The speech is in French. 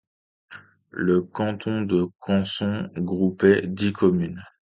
Le canton de Cancon groupait dix communes.